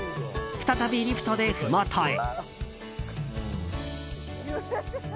再びリフトでふもとへ。